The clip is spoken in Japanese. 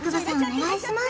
お願いします